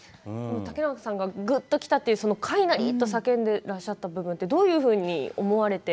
竹中さんが、ぐっときたという「快なり！」と叫んでいらっしゃった部分ってどういうふうに思われて？